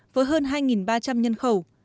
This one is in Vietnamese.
với hơn hai ba trăm linh nhân khẩu